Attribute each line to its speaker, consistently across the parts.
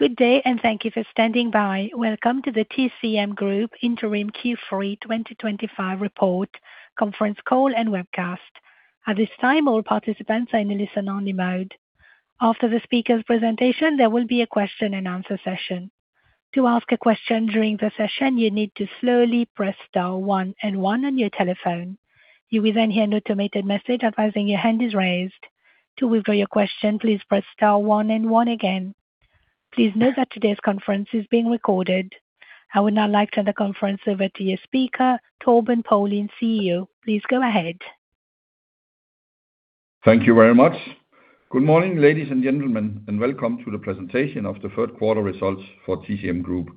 Speaker 1: Good day, and thank you for standing by. Welcome to the TCM Group Interim Q3 2025 report conference call and webcast. At this time, all participants are in a listen-only mode. After the speaker's presentation, there will be a question-and-answer session. To ask a question during the session, you need to press star one and one on your telephone. You will then hear an automated message advising your hand is raised. To withdraw your question, please press star one and one again. Please note that today's conference is being recorded. I would now like to turn the conference over to your speaker, Torben Paulin, CEO. Please go ahead.
Speaker 2: Thank you very much. Good morning, ladies and gentlemen, and welcome to the presentation of the third-quarter results for TCM Group.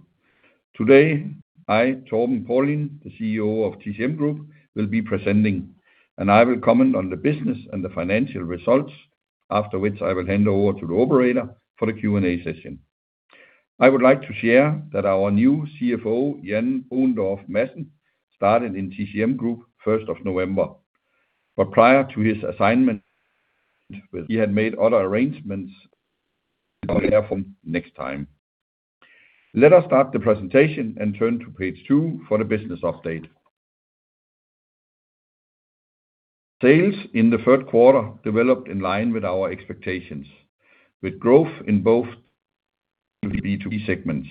Speaker 2: Today, I, Torben Paulin, the CEO of TCM Group, will be presenting, and I will comment on the business and the financial results, after which I will hand over to the operator for the Q&A session. I would like to share that our new CFO, Jannung Ohlendorf-Messen, started in TCM Group on the 1st of November. Prior to his assignment, he had made other arrangements. I'll hear from next time. Let us start the presentation and turn to page two for the business update. Sales in the third quarter developed in line with our expectations, with growth in both B2B segments.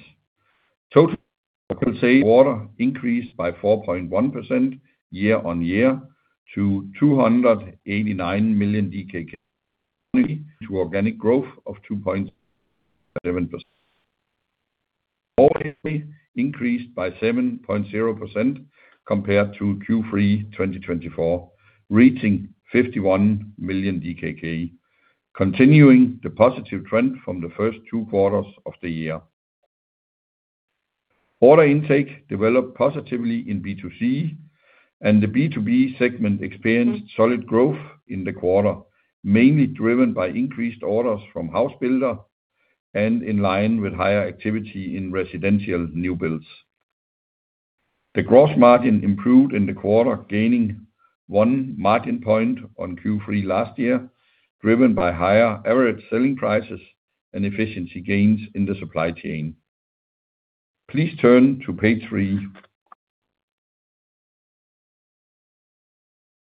Speaker 2: Total sales in the third quarter increased by 4.1% year-on-year to 289 million DKK, to an organic growth of 2.7%. Overall, increased by 7.0% compared to Q3 2024, reaching 51 million DKK, continuing the positive trend from the first two quarters of the year. Order intake developed positively in B2C, and the B2B segment experienced solid growth in the quarter, mainly driven by increased orders from house builders and in line with higher activity in residential new builds. The gross margin improved in the quarter, gaining one margin point on Q3 last year, driven by higher average selling prices and efficiency gains in the supply chain. Please turn to page three.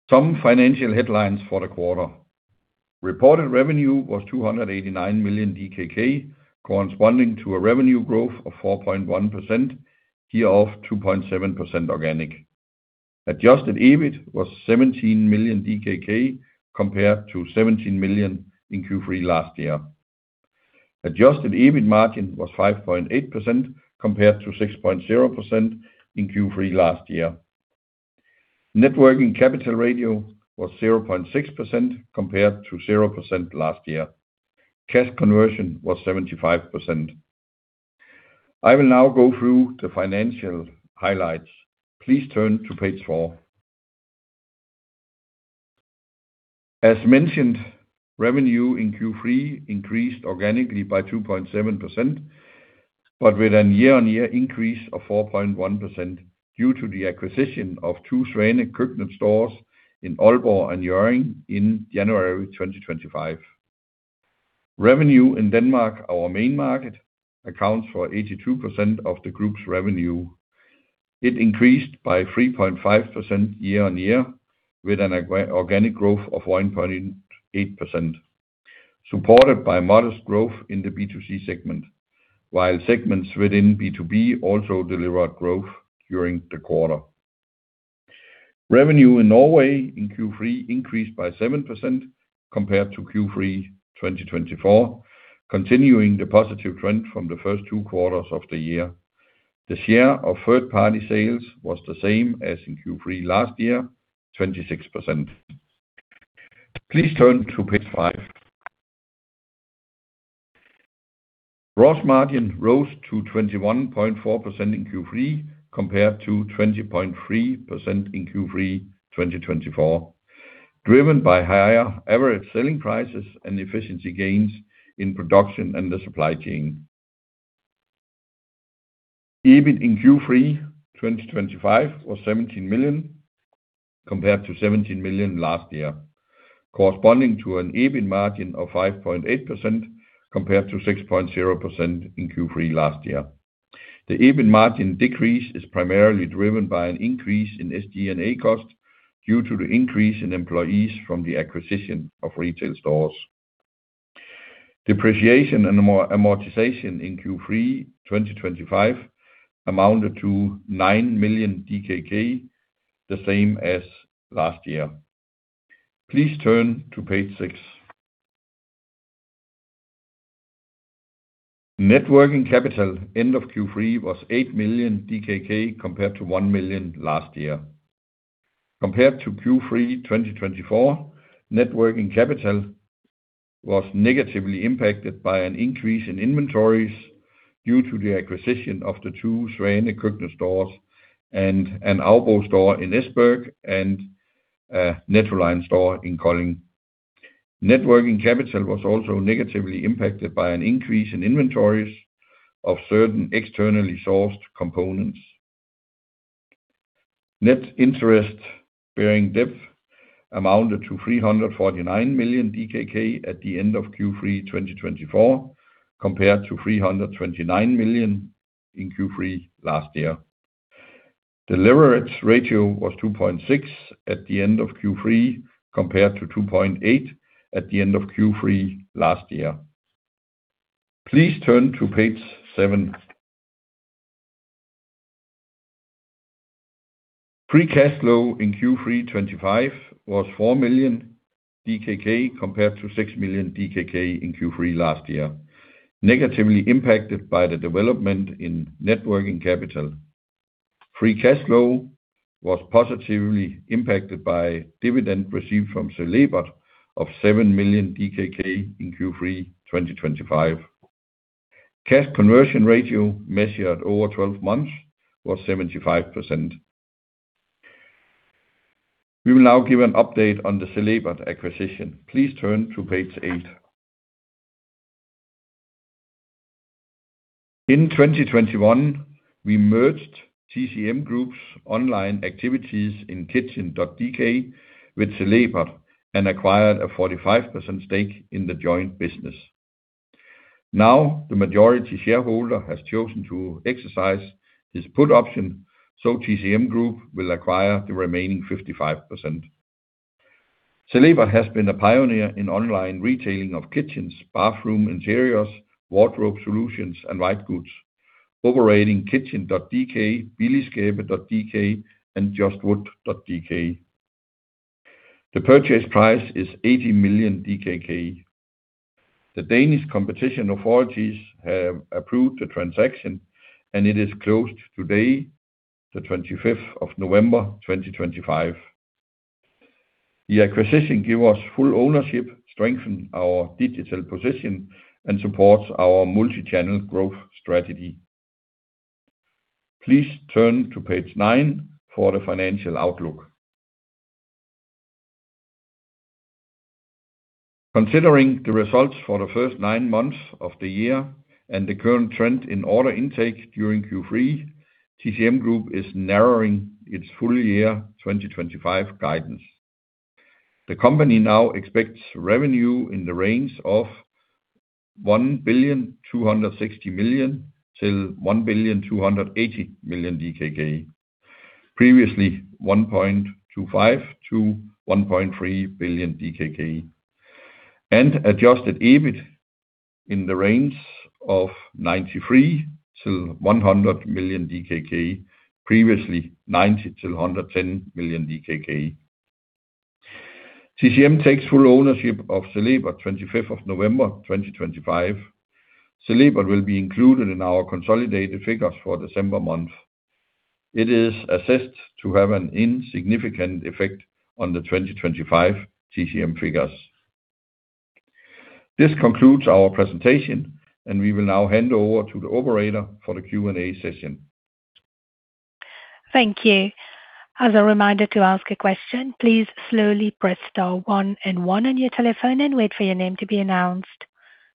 Speaker 2: Some financial headlines for the quarter. Reported revenue was 289 million DKK, corresponding to a revenue growth of 4.1%, year-over-year 2.7% organic. Adjusted EBIT was 17 million DKK, compared to 17 million in Q3 last year. Adjusted EBIT margin was 5.8%, compared to 6.0% in Q3 last year. Net working capital ratio was 0.6%, compared to 0% last year. Cash conversion was 75%. I will now go through the financial highlights. Please turn to page four. As mentioned, revenue in Q3 increased organically by 2.7%, but with a year-on-year increase of 4.1% due to the acquisition of two Svanek Køkkenstores in Aalborg and Hjørring in January 2025. Revenue in Denmark, our main market, accounts for 82% of the group's revenue. It increased by 3.5% year-on-year, with an organic growth of 1.8%, supported by modest growth in the B2C segment, while segments within B2B also delivered growth during the quarter. Revenue in Norway in Q3 increased by 7% compared to Q3 2024, continuing the positive trend from the first two quarters of the year. The share of third-party sales was the same as in Q3 last year, 26%. Please turn to page five. Gross margin rose to 21.4% in Q3, compared to 20.3% in Q3 2024, driven by higher average selling prices and efficiency gains in production and the supply chain. EBIT in Q3 2025 was 17 million, compared to 17 million last year, corresponding to an EBIT margin of 5.8%, compared to 6.0% in Q3 last year. The EBIT margin decrease is primarily driven by an increase in SG&A cost due to the increase in employees from the acquisition of retail stores. Depreciation and amortization in Q3 2025 amounted to 9 million DKK, the same as last year. Please turn to page six. Net working capital end of Q3 was 8 million DKK, compared to 1 million last year. Compared to Q3 2024, working capital was negatively impacted by an increase in inventories due to the acquisition of the two Svanek kitchen stores and an Aalborg store in Esbjerg and a Nettoline store in Kolding. Working capital was also negatively impacted by an increase in inventories of certain externally sourced components. Net interest-bearing debt amounted to 349 million DKK at the end of Q3 2024, compared to 329 million in Q3 last year. The leverage ratio was 2.6 at the end of Q3, compared to 2.8 at the end of Q3 last year. Please turn to page seven. Free cash flow in Q3 2025 was 4 million DKK, compared to 6 million DKK in Q3 last year, negatively impacted by the development in working capital. Free cash flow was positively impacted by dividend received from Celebat of 7 million DKK in Q3 2025. Cash conversion ratio measured over 12 months was 75%. We will now give an update on the Celebat acquisition. Please turn to page eight. In 2021, we merged TCM Group's online activities in Kitchen.dk with Celebat and acquired a 45% stake in the joint business. Now, the majority shareholder has chosen to exercise his put option, so TCM Group will acquire the remaining 55%. Celebat has been a pioneer in online retailing of kitchens, bathroom interiors, wardrobe solutions, and light goods, operating Kitchen.dk, Billyskabe.dk, and Justwood.dk. The purchase price is 80 million DKK. The Danish competition authorities have approved the transaction, and it is closed today, the 25th of November 2025. The acquisition gives us full ownership, strengthens our digital position, and supports our multi-channel growth strategy. Please turn to page nine for the financial outlook. Considering the results for the first nine months of the year and the current trend in order intake during Q3, TCM Group is narrowing its full-year 2025 guidance. The company now expects revenue in the range of 1.26 billion to 1.28 billion, previously 1.25 to 1.3 billion, and adjusted EBIT in the range of 93 million to 100 million DKK, previously 90 million to 110 million DKK. TCM takes full ownership of Celebat on the 25th of November 2025. Celebat will be included in our consolidated figures for December month. It is assessed to have an insignificant effect on the 2025 TCM figures. This concludes our presentation, and we will now hand over to the operator for the Q&A session.
Speaker 1: Thank you. As a reminder to ask a question, please slowly press star one and one on your telephone and wait for your name to be announced.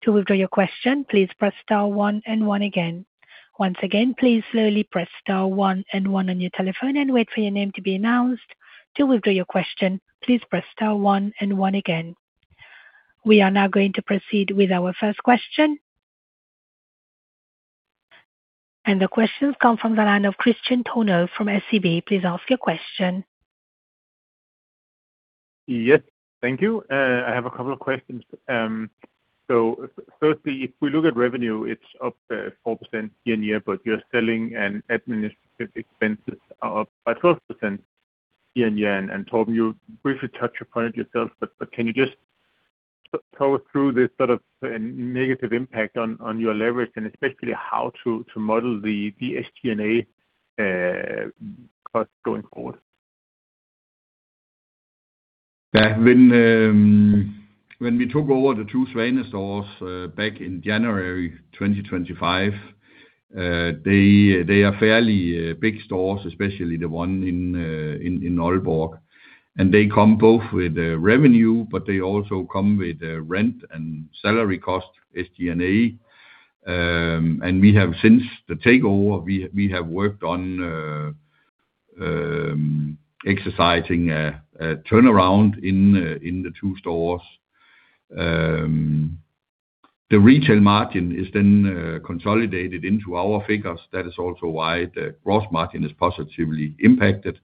Speaker 1: To withdraw your question, please press star one and one again. Once again, please slowly press star one and one on your telephone and wait for your name to be announced. To withdraw your question, please press star one and one again. We are now going to proceed with our first question. The questions come from the line of Christian Tonel from SCB. Please ask your question.
Speaker 3: Yes, thank you. I have a couple of questions. Firstly, if we look at revenue, it's up 4% year-on-year, but your selling and administrative expenses are up by 12% year-on-year. Torben, you briefly touched upon it yourself, but can you just go through this sort of negative impact on your leverage, and especially how to model the SG&A cost going forward?
Speaker 2: Yes, but we took over the two Svane stores back in January 2025. They are fairly big stores, especially the one in Aalborg. They come both with revenue, but they also come with rent and salary cost, SG&A. Since the takeover, we have worked on exercising a turnaround in the two stores. The retail margin is then consolidated into our figures. That is also why the gross margin is positively impacted.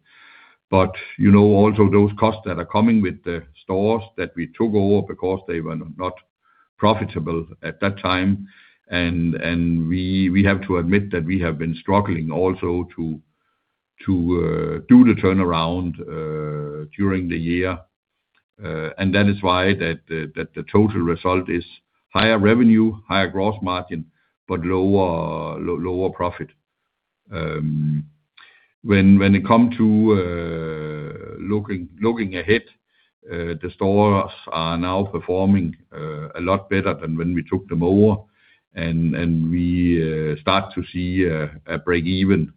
Speaker 2: But you know also those costs that are coming with the stores that we took over because they were not profitable at that time. We have to admit that we have been struggling also to do the turnaround during the year. That is why the total result is higher revenue, higher gross margin, but lower profit. When it comes to looking ahead, the stores are now performing a lot better than when we took them over. We start to see a break-even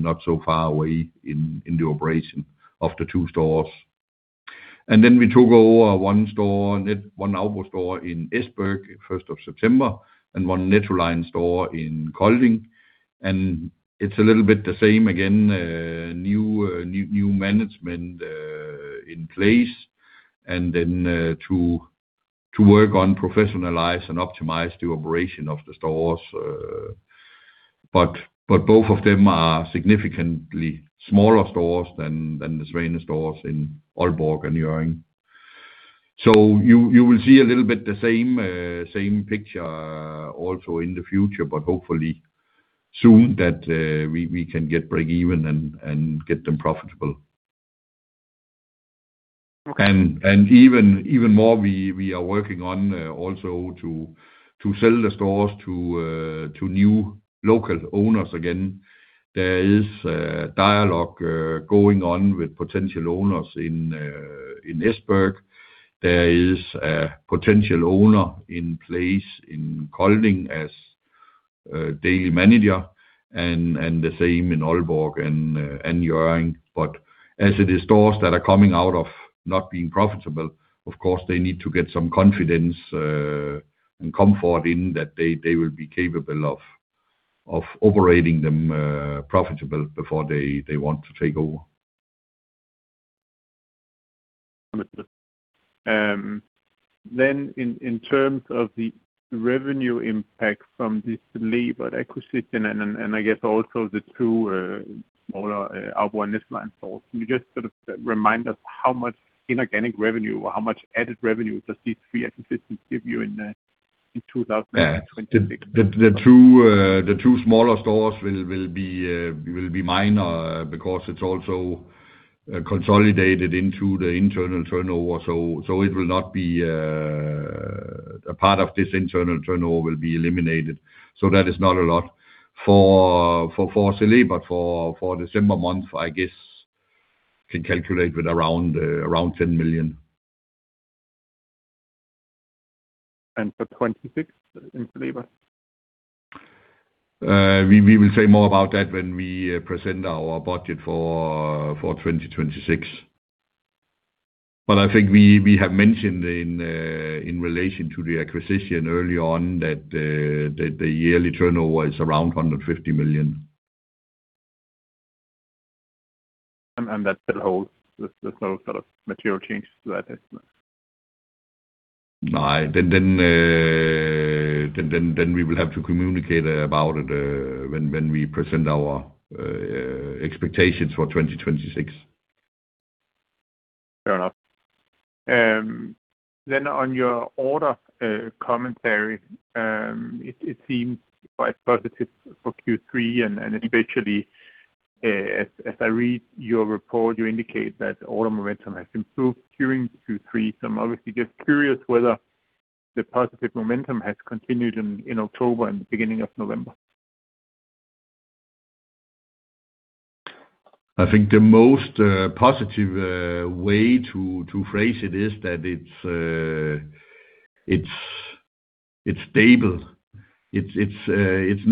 Speaker 2: not so far away in the operation of the two stores. Then we took over one Aalborg store in Esbjerg on the 1st of September and one Nettoline store in Kolding. It's a little bit the same again, new management in place, and then to work on professionalizing and optimizing the operation of the stores. Both of them are significantly smaller stores than the Svane stores in Aalborg and Hjørring. So you will see a little bit the same picture also in the future, but hopefully soon that we can get break-even and get them profitable. Even more, we are working on also to sell the stores to new local owners again. There is a dialogue going on with potential owners in Esbjerg. There is a potential owner in place in Kolding as daily manager and the same in Aalborg and Hjørring. But as the stores that are coming out of not being profitable, of course, they need to get some confidence and comfort in that they will be capable of operating them profitably before they want to take over.
Speaker 3: In terms of the revenue impact from this labor acquisition and I guess also the two smaller Aalborg and Esbern stores, can you just sort of remind us how much inorganic revenue or how much added revenue these three acquisitions give you in 2026?
Speaker 2: The two smaller stores will be minor because it's also consolidated into the internal turnover. So it will not be a part of this internal turnover will be eliminated. So that is not a lot. For Celebat for December month, I guess can calculate with around $10 million.
Speaker 3: And for '26 in Celebat?
Speaker 2: We will say more about that when we present our budget for 2026. But I think we have mentioned in relation to the acquisition early on that the yearly turnover is around $150 million.
Speaker 3: And that still holds the slow sort of material changes to that?
Speaker 2: No. Then we will have to communicate about it when we present our expectations for 2026.
Speaker 3: Fair enough. Then on your order commentary, it seems quite positive for Q3 and especially as I read your report, you indicate that order momentum has improved during Q3. I'm obviously just curious whether the positive momentum has continued in October and beginning of November.
Speaker 2: I think the most positive way to phrase it is that it's stable. It's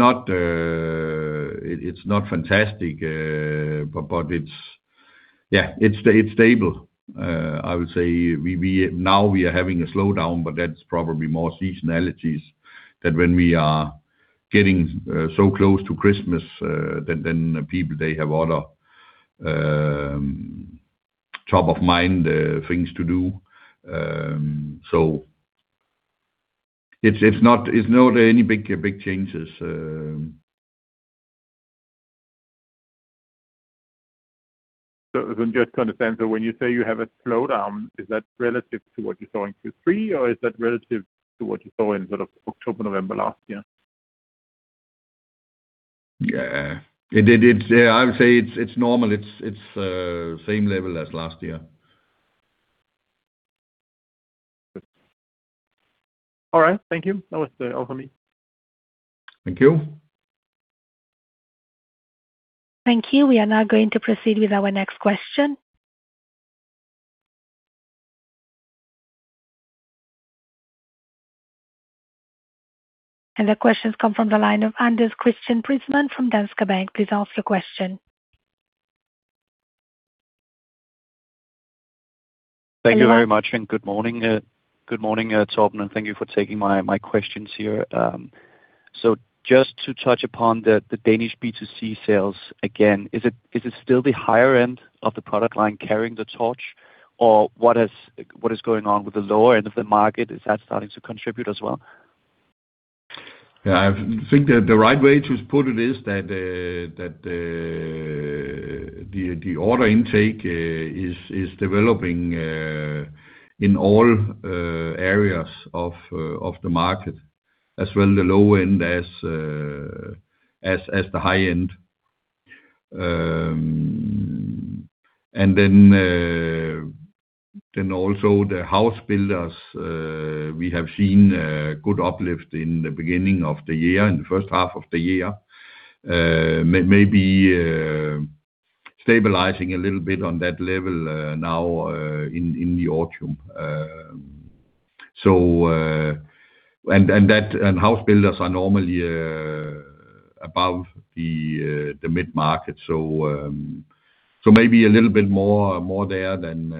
Speaker 2: not fantastic, but it's stable, I would say. Now we are having a slowdown, but that's probably more seasonality that when we are getting so close to Christmas, then people, they have other top-of-mind things to do. So it's not any big changes.
Speaker 3: Just to understand, when you say you have a slowdown, is that relative to what you saw in Q3, or is that relative to what you saw in October, November last year?
Speaker 2: Yeah. I would say it's normal. It's the same level as last year.
Speaker 3: All right. Thank you. That was all for me.
Speaker 2: Thank you.
Speaker 1: Thank you. We are now going to proceed with our next question. The questions come from the line of Anders Christian Prisman from Danske Bank. Please ask your question.
Speaker 4: Thank you very much and good morning, Torben, and thank you for taking my questions here. Just to touch upon the Danish B2C sales again, is it still the higher end of the product line carrying the torch, or what is going on with the lower end of the market? Is that starting to contribute as well?
Speaker 2: I think the right way to put it is that the order intake is developing in all areas of the market, as well the lower end as the high end. And then also the house builders, we have seen a good uplift in the beginning of the year, in the first half of the year, maybe stabilizing a little bit on that level now in the autumn. House builders are normally above the mid-market, so maybe a little bit more there than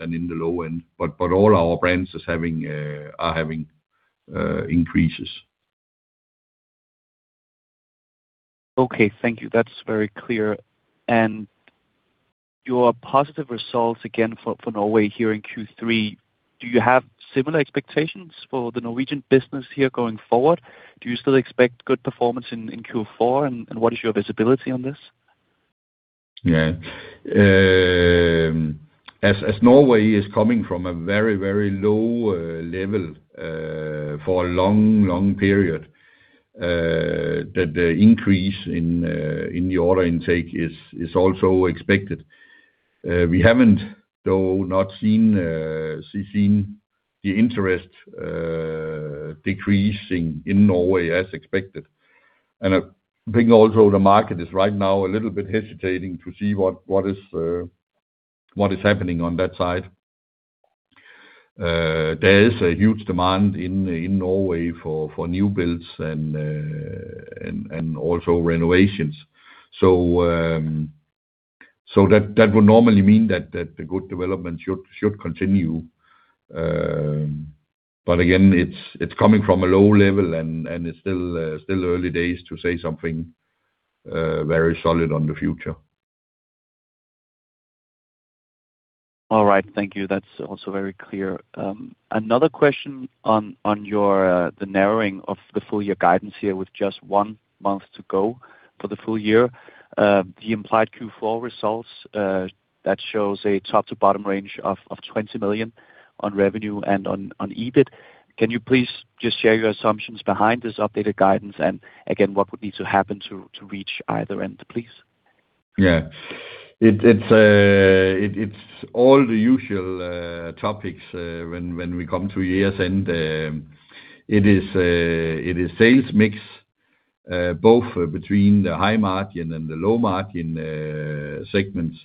Speaker 2: in the low end, but all our brands are having increases.
Speaker 3: Okay. Thank you. That's very clear. And your positive results again for Norway here in Q3, do you have similar expectations for the Norwegian business here going forward? Do you still expect good performance in Q4, and what is your visibility on this?
Speaker 2: As Norway is coming from a very, very low level for a long, long period, the increase in the order intake is also expected. We haven't, though, seen the interest decreasing in Norway as expected. I think also the market is right now a little bit hesitating to see what is happening on that side. There is a huge demand in Norway for new builds and also renovations. That would normally mean that the good development should continue. But again, it's coming from a low level, and it's still early days to say something very solid on the future.
Speaker 3: All right. Thank you. That's also very clear. Another question on the narrowing of the full-year guidance here with just one month to go for the full year. The implied Q4 results that shows a top-to-bottom range of $20 million on revenue and on EBIT. Can you please just share your assumptions behind this updated guidance and again, what would need to happen to reach either end, please?
Speaker 2: Yeah. It's all the usual topics when we come to year's end. It is sales mix, both between the high margin and the low margin segments.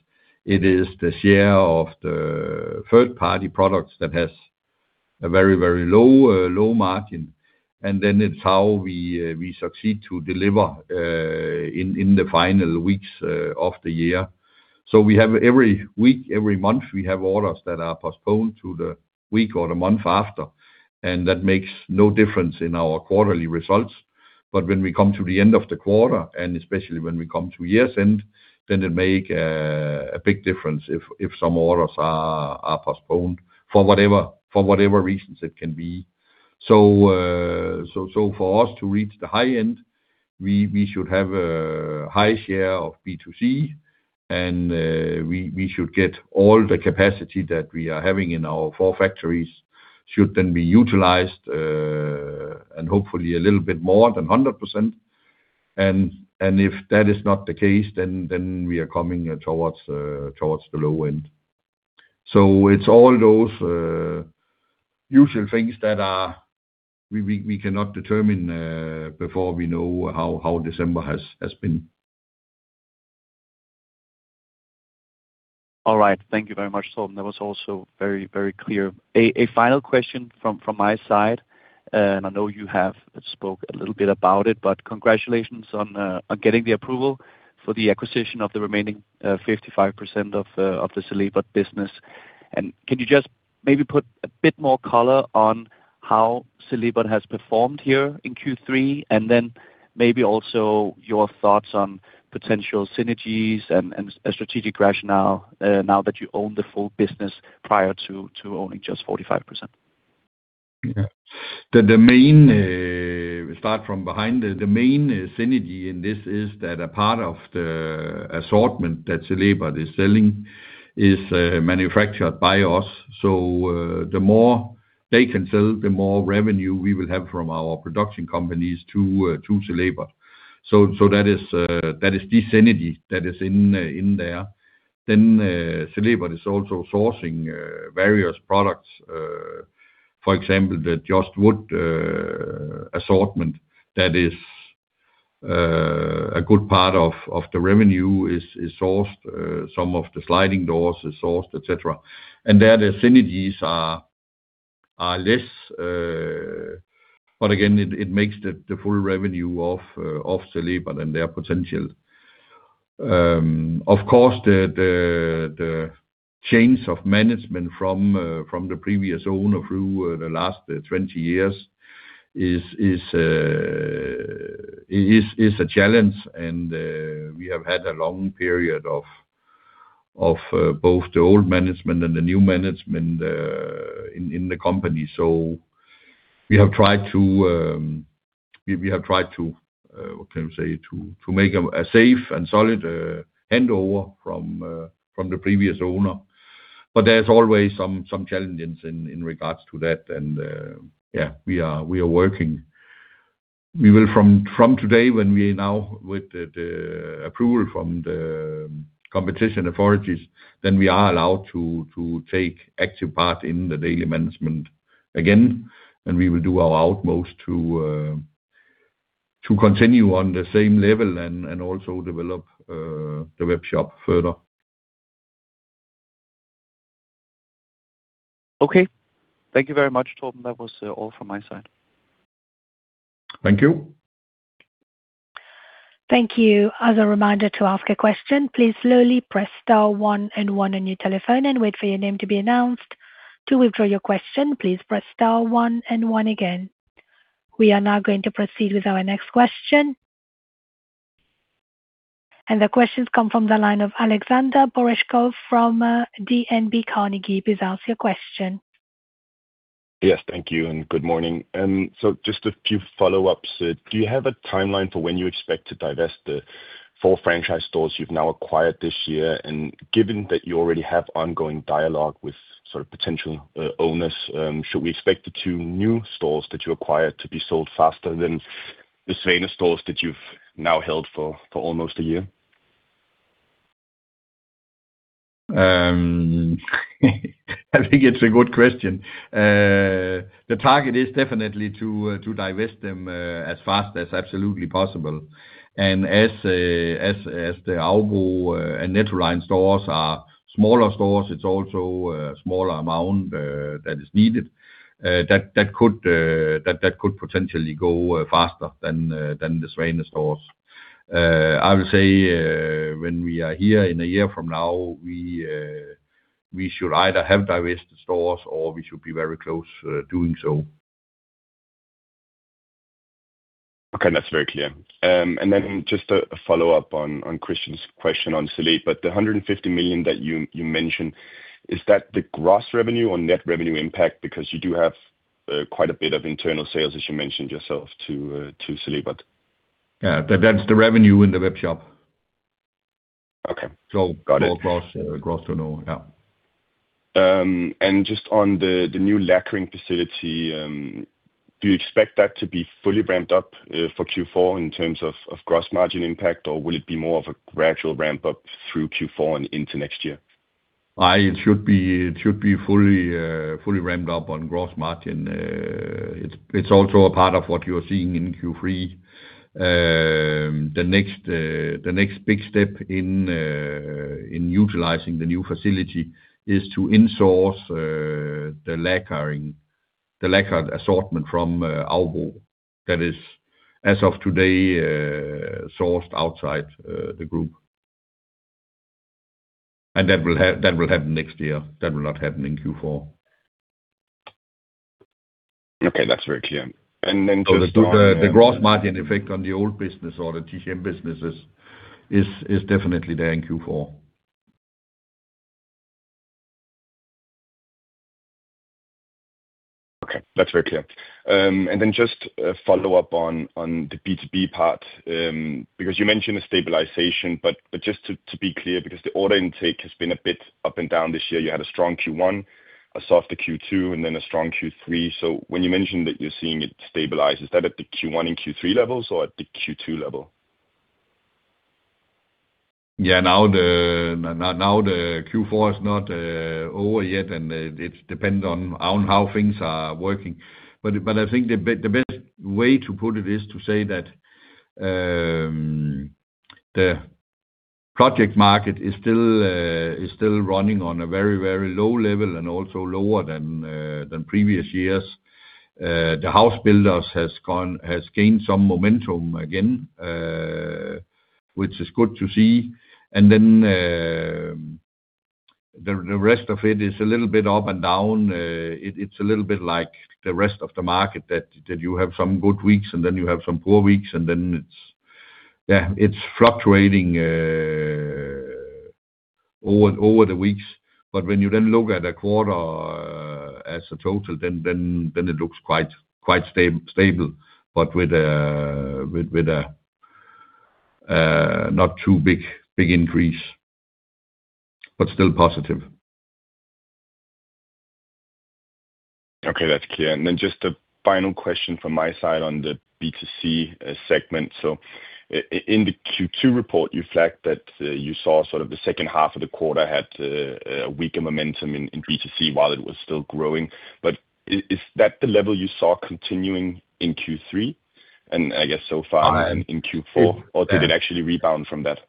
Speaker 2: It is the share of the third-party products that has a very, very low margin. Then it's how we succeed to deliver in the final weeks of the year. So we have every week, every month, we have orders that are postponed to the week or the month after, and that makes no difference in our quarterly results. But when we come to the end of the quarter, and especially when we come to year's end, then it makes a big difference if some orders are postponed for whatever reasons it can be. For us to reach the high end, we should have a high share of B2C, and we should get all the capacity that we are having in our four factories should then be utilized, and hopefully a little bit more than 100%. If that is not the case, then we are coming towards the low end. It's all those usual things that we cannot determine before we know how December has been.
Speaker 3: All right. Thank you very much, Torben. That was also very, very clear. A final question from my side, and I know you have spoken a little bit about it, but congratulations on getting the approval for the acquisition of the remaining 55% of the Celebat business. Can you just maybe put a bit more color on how Celebat has performed here in Q3, and then maybe also your thoughts on potential synergies and strategic rationale now that you own the full business prior to owning just 45%?
Speaker 2: We'll start from behind. The main synergy in this is that a part of the assortment that Celebat is selling is manufactured by us. So the more they can sell, the more revenue we will have from our production companies to Celebat. That is the synergy that is in there. Celebat is also sourcing various products. For example, the just wood assortment, that is a good part of the revenue is sourced. Some of the sliding doors are sourced, etc. There the synergies are less, but again, it makes the full revenue of Celebat and their potential. Of course, the change of management from the previous owner through the last 20 years is a challenge, and we have had a long period of both the old management and the new management in the company. We have tried to—what can you say?—to make a safe and solid handover from the previous owner. But there's always some challenges in regards to that. We are working. From today, when we are now with the approval from the competition authorities, then we are allowed to take active part in the daily management again, and we will do our utmost to continue on the same level and also develop the webshop further.
Speaker 3: Okay. Thank you very much, Torben. That was all from my side.
Speaker 2: Thank you.
Speaker 1: Thank you. As a reminder to ask a question, please slowly press star one and one on your telephone and wait for your name to be announced. To withdraw your question, please press star one and one again. We are now going to proceed with our next question. The questions come from the line of Alexander Boreshkov from DNB Carnegie. Please ask your question.
Speaker 5: Yes. Thank you and good morning. Just a few follow-ups. Do you have a timeline for when you expect to divest the four franchise stores you've now acquired this year? Given that you already have ongoing dialogue with potential owners, should we expect the two new stores that you acquired to be sold faster than the Svane stores that you've now held for almost a year?
Speaker 2: I think it's a good question. The target is definitely to divest them as fast as absolutely possible. As the Aubo and Netroline stores are smaller stores, it's also a smaller amount that is needed. That could potentially go faster than the Svane stores. I would say when we are here in a year from now, we should either have divested stores or we should be very close to doing so.
Speaker 5: Okay. That's very clear. And then just a follow-up on Christian's question on Celebat. The $150 million that you mentioned, is that the gross revenue or net revenue impact? Because you do have quite a bit of internal sales, as you mentioned yourself, to Celebat.
Speaker 2: Yeah. That's the revenue in the webshop.
Speaker 5: Okay. Got it.
Speaker 2: More gross than all. Yeah.
Speaker 5: And just on the new lacquering facility, do you expect that to be fully ramped up for Q4 in terms of gross margin impact, or will it be more of a gradual ramp-up through Q4 and into next year?
Speaker 2: It should be fully ramped up on gross margin. It's also a part of what you are seeing in Q3. The next big step in utilizing the new facility is to insource the lacquered assortment from Aubo that is, as of today, sourced outside the group. That will happen next year. That will not happen in Q4.
Speaker 5: Okay. That's very clear. And then just.
Speaker 2: The gross margin effect on the old business or the TCM businesses is definitely there in Q4.
Speaker 5: Okay. That's very clear. And then just a follow-up on the B2B part. Because you mentioned the stabilization, but just to be clear, because the order intake has been a bit up and down this year. You had a strong Q1, a soft Q2, and then a strong Q3. So when you mentioned that you're seeing it stabilize, is that at the Q1 and Q3 levels or at the Q2 level?
Speaker 2: Yeah. Now Q4 is not over yet, and it depends on how things are working. But I think the best way to put it is to say that the project market is still running on a very, very low level and also lower than previous years. The house builders have gained some momentum again, which is good to see. The rest of it is a little bit up and down. It's a little bit like the rest of the market that you have some good weeks and then you have some poor weeks, and then it's fluctuating over the weeks. But when you then look at a quarter as a total, then it looks quite stable, but with a not too big increase, but still positive.
Speaker 5: Okay. That's clear. And then just a final question from my side on the B2C segment. So in the Q2 report, you flagged that you saw sort of the second half of the quarter had a weaker momentum in B2C while it was still growing. But is that the level you saw continuing in Q3? And I guess so far in Q4, or did it actually rebound from that?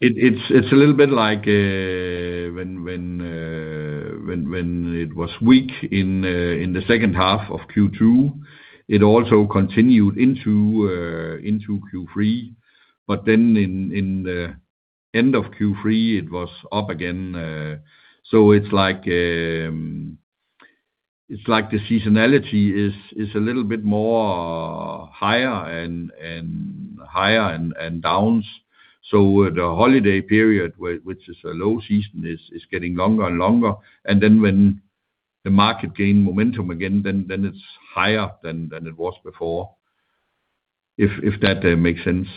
Speaker 2: It's a little bit like when it was weak in the second half of Q2, it also continued into Q3. But then in the end of Q3, it was up again. The seasonality is a little bit more higher and higher and downs. The holiday period, which is a low season, is getting longer and longer. When the market gains momentum again, then it's higher than it was before, if that makes sense.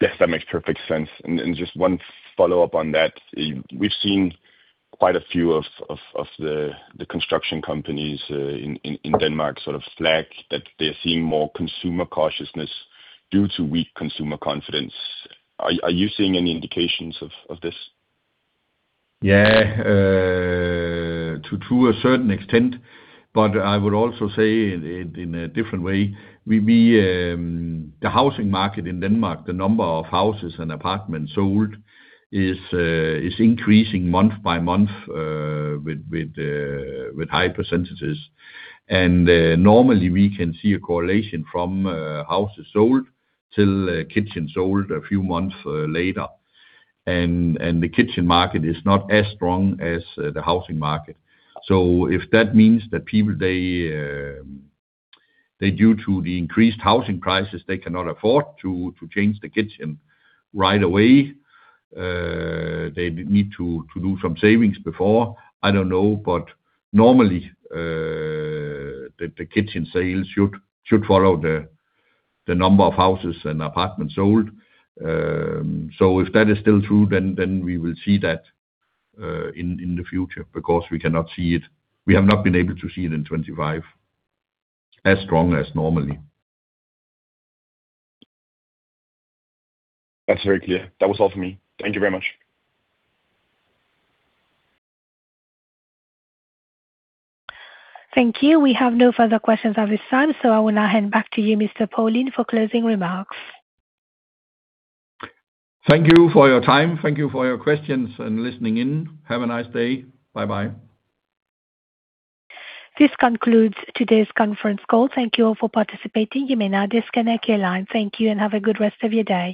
Speaker 5: Yes. That makes perfect sense. Just one follow-up on that. We've seen quite a few of the construction companies in Denmark sort of flag that they're seeing more consumer cautiousness due to weak consumer confidence. Are you seeing any indications of this?
Speaker 2: Yeah. To a certain extent, but I would also say it in a different way. The housing market in Denmark, the number of houses and apartments sold is increasing month by month with high percentages. Normally, we can see a correlation from houses sold till kitchens sold a few months later. The kitchen market is not as strong as the housing market. So if that means that due to the increased housing prices, they cannot afford to change the kitchen right away, they need to do some savings before, I don't know. But normally, the kitchen sales should follow the number of houses and apartments sold. So if that is still true, then we will see that in the future because we cannot see it. We have not been able to see it in 2025 as strong as normally.
Speaker 5: That's very clear. That was all for me. Thank you very much.
Speaker 1: Thank you. We have no further questions at this time, so I will now hand back to you, Mr. Paulin, for closing remarks.
Speaker 2: Thank you for your time. Thank you for your questions and listening in. Have a nice day. Bye-bye.
Speaker 1: This concludes today's conference call. Thank you all for participating. You may now disconnect your line. Thank you and have a good rest of your day.